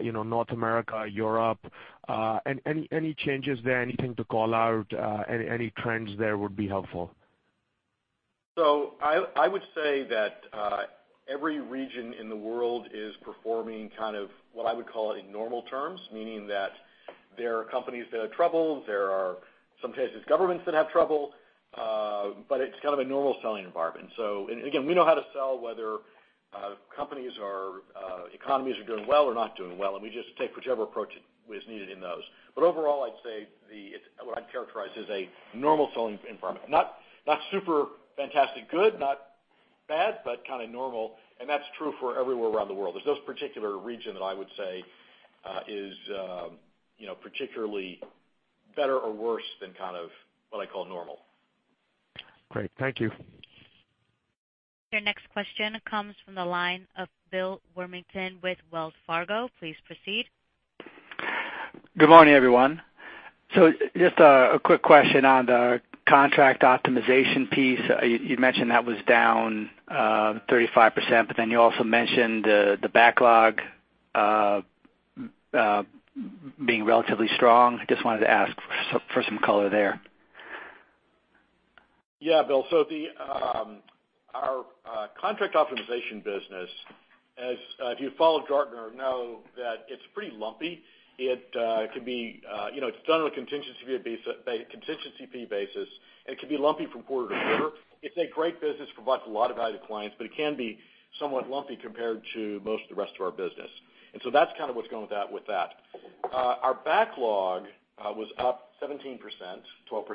North America, Europe, and any changes there, anything to call out, any trends there would be helpful. I would say that every region in the world is performing what I would call in normal terms, meaning that there are companies that have trouble, there are some cases, governments that have trouble, but it's kind of a normal selling environment. Again, we know how to sell, whether economies are doing well or not doing well, and we just take whichever approach is needed in those. Overall, I'd say, what I'd characterize as a normal selling environment. Not super fantastic good, not bad, but kind of normal, and that's true for everywhere around the world. There's no particular region that I would say is particularly better or worse than what I call normal. Great. Thank you. Your next question comes from the line of William Warmington with Wells Fargo. Please proceed. Good morning, everyone. Just a quick question on the contract optimization piece. You'd mentioned that was down 35%, but then you also mentioned the backlog being relatively strong. Just wanted to ask for some color there. Yeah, Bill. Our contract optimization business, if you follow Gartner, know that it's pretty lumpy. It's done on a contingency fee basis, and it can be lumpy from quarter to quarter. It's a great business, provides a lot of value to clients, but it can be somewhat lumpy compared to most of the rest of our business. That's kind of what's going with that. Our backlog was up 17%, 12% FX- 12%.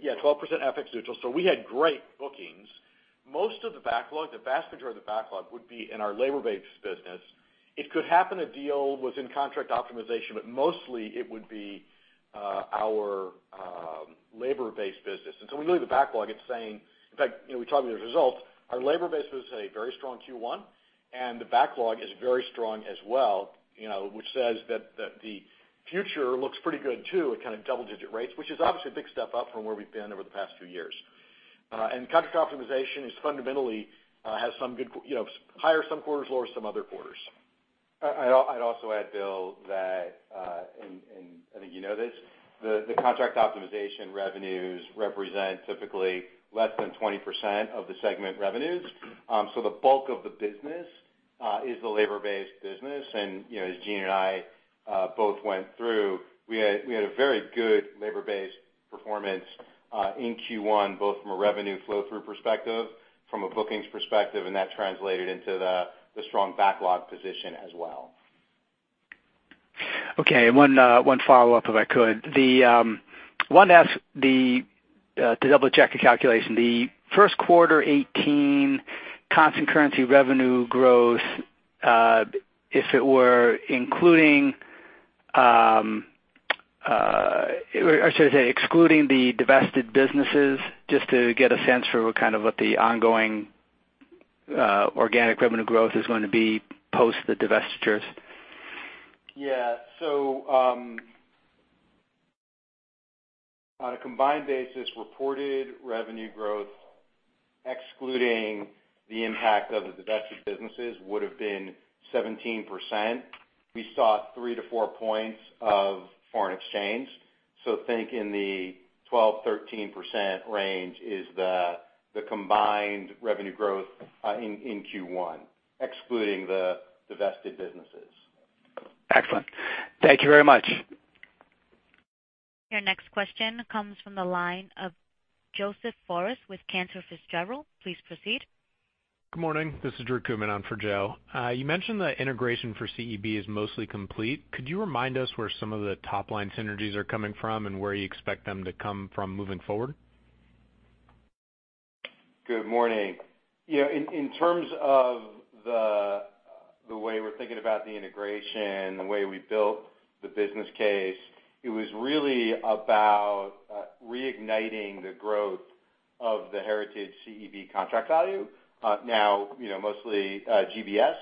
Yeah, 12% FX neutral. We had great bookings. Most of the backlog, the vast majority of the backlog would be in our labor-based business. It could happen a deal was in contract optimization, but mostly it would be our labor-based business. Really the backlog, it's saying, in fact, we talked through the results, our labor-based business had a very strong Q1, and the backlog is very strong as well, which says that the future looks pretty good, too, at kind of double-digit rates, which is obviously a big step up from where we've been over the past few years. Contract optimization fundamentally higher some quarters, lower some other quarters. I'd also add, Bill, that, I think you know this, the contract optimization revenues represent typically less than 20% of the segment revenues. The bulk of the business is the labor-based business. As Gene and I both went through, we had a very good labor-based performance in Q1, both from a revenue flow through perspective, from a bookings perspective, and that translated into the strong backlog position as well. Okay. One follow-up, if I could. Wanted to ask to double-check a calculation. The first quarter 2018 constant currency revenue growth, if it were including, or I should say, excluding the divested businesses, just to get a sense for kind of what the ongoing organic revenue growth is going to be post the divestitures. Yeah. On a combined basis, reported revenue growth Excluding the impact of the divested businesses would have been 17%. We saw three to four points of foreign exchange. Think in the 12%-13% range is the combined revenue growth in Q1, excluding the divested businesses. Excellent. Thank you very much. Your next question comes from the line of Drew Kumen with Cantor Fitzgerald. Please proceed. Good morning. This is Drew Kumen on for Joe. You mentioned that integration for CEB is mostly complete. Could you remind us where some of the top-line synergies are coming from, and where you expect them to come from moving forward? Good morning. In terms of the way we're thinking about the integration, the way we built the business case, it was really about reigniting the growth of the heritage CEB contract value. Now, mostly GBS.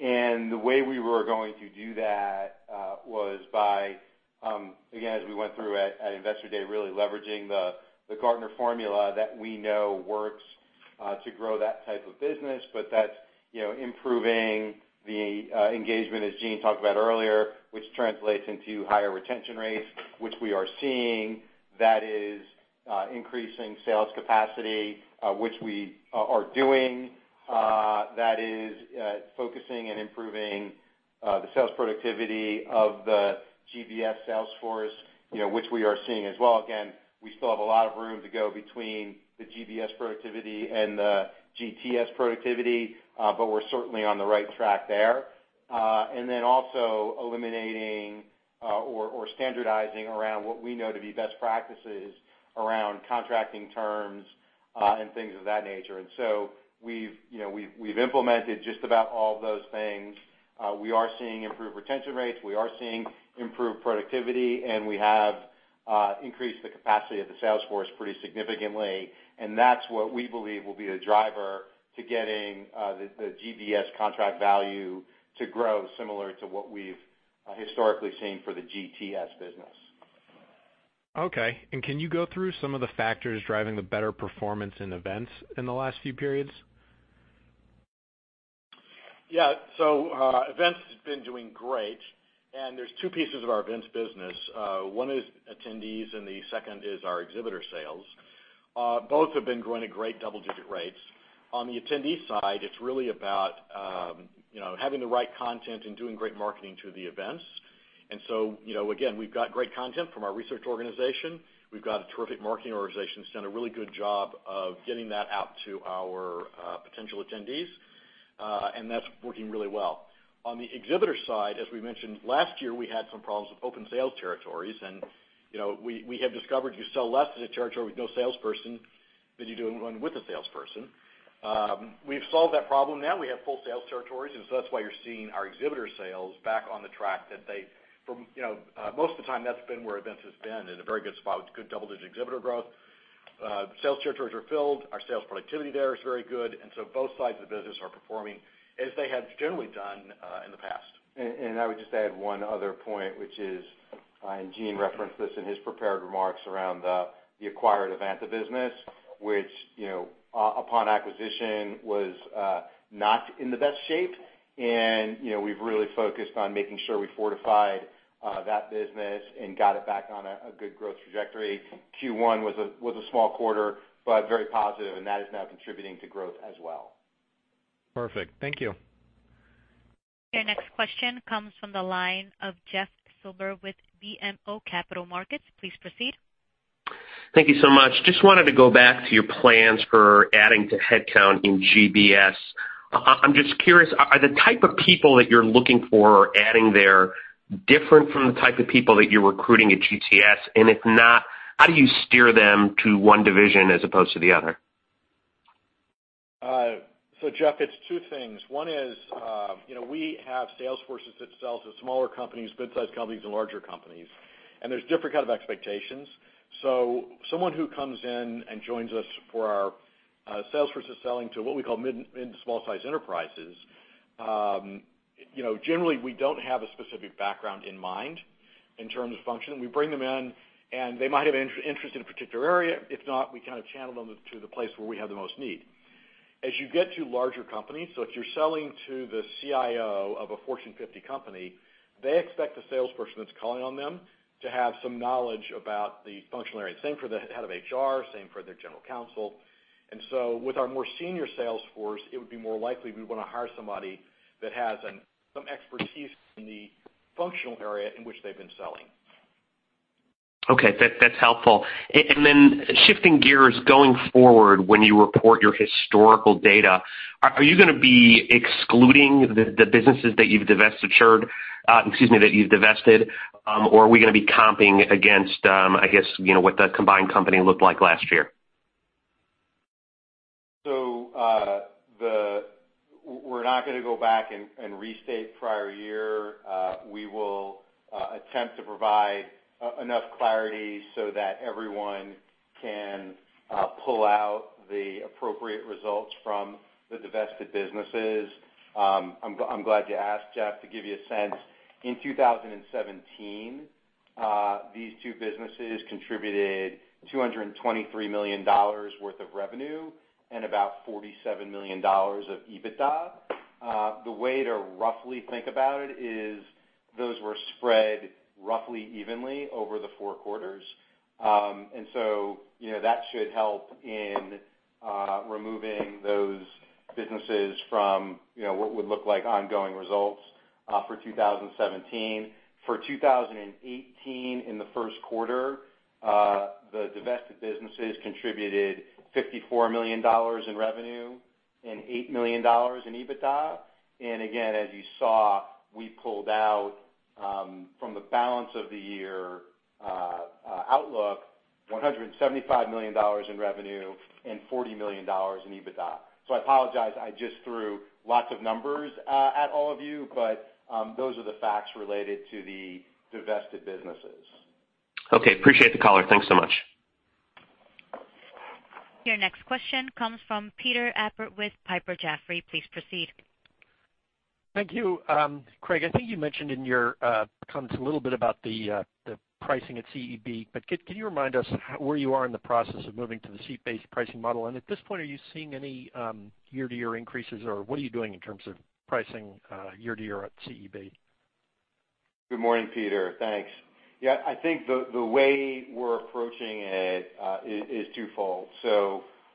The way we were going to do that was by, again, as we went through at Investor Day, really leveraging the Gartner formula that we know works to grow that type of business. That's improving the engagement, as Gene talked about earlier, which translates into higher retention rates, which we are seeing. That is increasing sales capacity, which we are doing. That is focusing and improving the sales productivity of the GBS sales force, which we are seeing as well. Again, we still have a lot of room to go between the GBS productivity and the GTS productivity, but we're certainly on the right track there. Also eliminating or standardizing around what we know to be best practices around contracting terms and things of that nature. We've implemented just about all of those things. We are seeing improved retention rates, we are seeing improved productivity, and we have increased the capacity of the sales force pretty significantly. That's what we believe will be the driver to getting the GBS contract value to grow similar to what we've historically seen for the GTS business. Okay. Can you go through some of the factors driving the better performance in events in the last few periods? Yeah. Events has been doing great, and there's two pieces of our events business. One is attendees, and the second is our exhibitor sales. Both have been growing at great double-digit rates. On the attendees side, it's really about having the right content and doing great marketing to the events. Again, we've got great content from our research organization. We've got a terrific marketing organization that's done a really good job of getting that out to our potential attendees, and that's working really well. On the exhibitor side, as we mentioned last year, we had some problems with open sales territories, and we have discovered you sell less as a territory with no salesperson than you do in one with a salesperson. We've solved that problem now. We have full sales territories, that's why you're seeing our exhibitor sales back on the track that Most of the time, that's been where events has been, in a very good spot with good double-digit exhibitor growth. Sales territories are filled. Our sales productivity there is very good, both sides of the business are performing as they have generally done in the past. I would just add one other point, which is, Gene referenced this in his prepared remarks around the acquired Evanta business, which upon acquisition, was not in the best shape. We've really focused on making sure we fortified that business and got it back on a good growth trajectory. Q1 was a small quarter, but very positive, and that is now contributing to growth as well. Perfect. Thank you. Your next question comes from the line of Jeff Silber with BMO Capital Markets. Please proceed. Thank you so much. Just wanted to go back to your plans for adding to headcount in GBS. I'm just curious, are the type of people that you're looking for or adding there different from the type of people that you're recruiting at GTS? If not, how do you steer them to one division as opposed to the other? Jeff, it's two things. One is we have sales forces that sell to smaller companies, mid-size companies, and larger companies, there's different kind of expectations. Someone who comes in and joins us for our sales forces selling to what we call mid to small-size enterprises, generally, we don't have a specific background in mind in terms of function. We bring them in, and they might have an interest in a particular area. If not, we kind of channel them to the place where we have the most need. As you get to larger companies, if you're selling to the CIO of a Fortune 50 company, they expect the salesperson that's calling on them to have some knowledge about the functional area. Same for the head of HR, same for their general counsel. With our more senior sales force, it would be more likely we want to hire somebody that has some expertise in the functional area in which they've been selling. Okay. That's helpful. Shifting gears, going forward, when you report your historical data, are you going to be excluding the businesses that you've divested, or are we going to be comping against, I guess, what the combined company looked like last year? We're not going to go back and restate prior year. We will attempt to provide enough clarity so that everyone can pull out the appropriate results from the divested businesses. I'm glad you asked, Jeff, to give you a sense. In 2017, these two businesses contributed $223 million worth of revenue and about $47 million of EBITDA. The way to roughly think about it is those were spread roughly evenly over the four quarters. That should help in removing those businesses from what would look like ongoing results for 2017. For 2018, in the first quarter, the divested businesses contributed $54 million in revenue and $8 million in EBITDA. Again, as you saw, we pulled out from the balance of the year outlook, $175 million in revenue and $40 million in EBITDA. I apologize, I just threw lots of numbers at all of you, but those are the facts related to the divested businesses. Okay. Appreciate the color. Thanks so much. Your next question comes from Peter Appert with Piper Jaffray. Please proceed. Thank you. Craig, I think you mentioned in your comments a little bit about the pricing at CEB, can you remind us where you are in the process of moving to the seat-based pricing model? At this point, are you seeing any year-to-year increases, or what are you doing in terms of pricing year-to-year at CEB? Good morning, Peter. Thanks. Yeah, I think the way we're approaching it is twofold.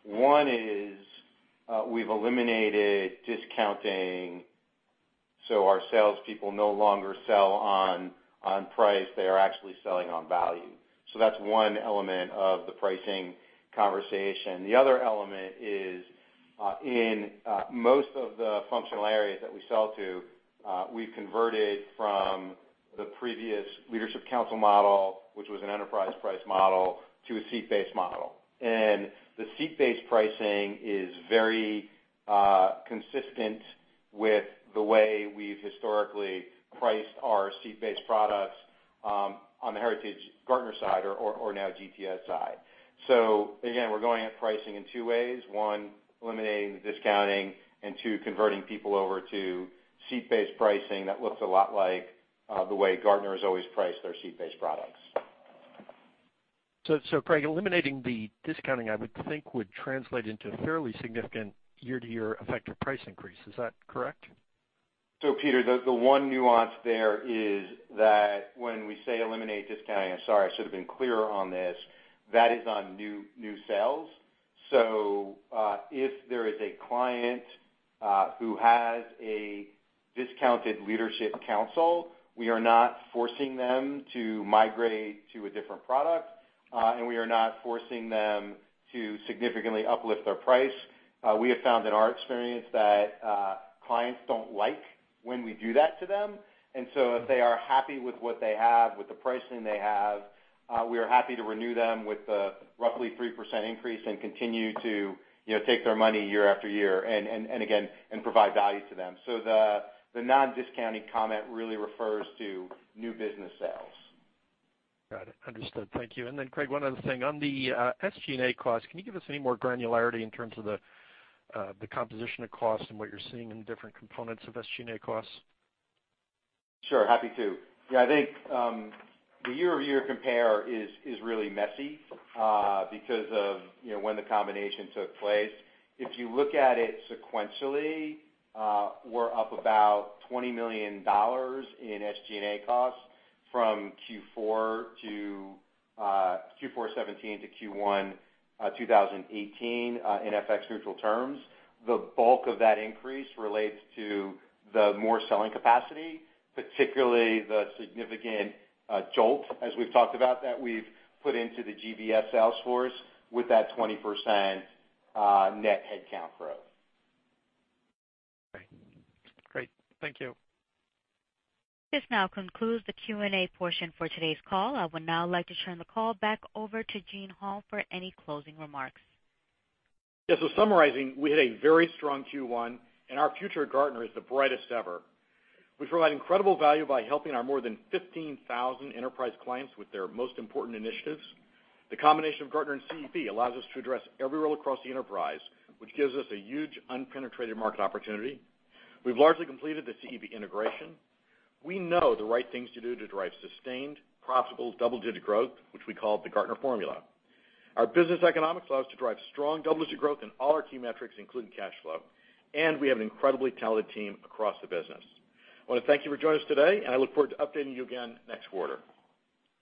One is we've eliminated discounting, so our salespeople no longer sell on price. They are actually selling on value. That's one element of the pricing conversation. The other element is in most of the functional areas that we sell to, we've converted from the previous leadership council model, which was an enterprise price model, to a seat-based model. The seat-based pricing is very consistent with the way we've historically priced our seat-based products on the heritage Gartner side or now GTS side. Again, we're going at pricing in two ways. One, eliminating the discounting, and two, converting people over to seat-based pricing that looks a lot like the way Gartner has always priced their seat-based products. Craig, eliminating the discounting, I would think would translate into fairly significant year-to-year effective price increase. Is that correct? Peter, the one nuance there is that when we say eliminate discounting, I'm sorry, I should have been clearer on this. That is on new sales. If there is a client who has a discounted leadership council, we are not forcing them to migrate to a different product, and we are not forcing them to significantly uplift their price. We have found in our experience that clients don't like when we do that to them. If they are happy with what they have, with the pricing they have, we are happy to renew them with a roughly 3% increase and continue to take their money year after year and again, and provide value to them. The non-discounting comment really refers to new business sales. Got it. Understood. Thank you. Craig, one other thing. On the SG&A cost, can you give us any more granularity in terms of the composition of cost and what you're seeing in different components of SG&A costs? Sure. Happy to. I think, the year-over-year compare is really messy, because of when the combination took place. If you look at it sequentially, we're up about $20 million in SG&A costs from Q4 2017 to Q1 2018 in FX neutral terms. The bulk of that increase relates to the more selling capacity, particularly the significant jolt, as we've talked about, that we've put into the GBS sales force with that 20% net headcount growth. Okay. Great. Thank you. This now concludes the Q&A portion for today's call. I would now like to turn the call back over to Gene Hall for any closing remarks. Summarizing, we had a very strong Q1, and our future at Gartner is the brightest ever. We provide incredible value by helping our more than 15,000 enterprise clients with their most important initiatives. The combination of Gartner and CEB allows us to address every role across the enterprise, which gives us a huge unpenetrated market opportunity. We've largely completed the CEB integration. We know the right things to do to drive sustained, profitable, double-digit growth, which we call the Gartner formula. Our business economics allows us to drive strong double-digit growth in all our key metrics, including cash flow, and we have an incredibly talented team across the business. I want to thank you for joining us today, and I look forward to updating you again next quarter.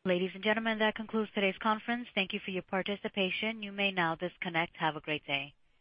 Ladies and gentlemen, that concludes today's conference. Thank you for your participation. You may now disconnect. Have a great day.